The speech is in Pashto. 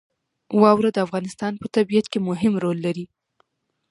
واوره د افغانستان په طبیعت کې مهم رول لري.